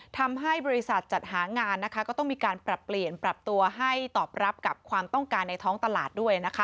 ทำให้บริษัทจัดหางานนะคะก็ต้องมีการปรับเปลี่ยนปรับตัวให้ตอบรับกับความต้องการในท้องตลาดด้วยนะคะ